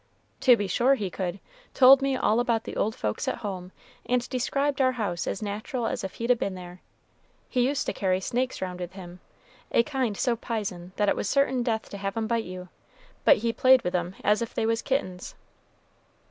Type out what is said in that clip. "To be sure he could! told me all about the old folks at home; and described our house as natural as if he'd a been there. He used to carry snakes round with him, a kind so p'ison that it was certain death to have 'em bite you; but he played with 'em as if they was kittens."